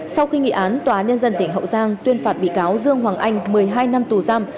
sau khi nghị án tòa án nhân dân tỉnh hậu giang tuyên phạt bị cáo dương hoàng anh một mươi hai năm tù giam